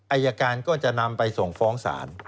อายการก็จะนำไปส่งฟ้องศาล